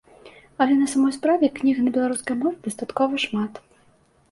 Але на самой справе, кніг на беларускай мове дастаткова шмат.